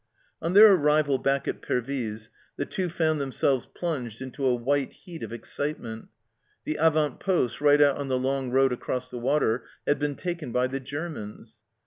On their arrival back at Pervyse the Two found themselves plunged into a white heat of excite ment ; the avant poste, right out on the long road across the water, had been taken by the Germans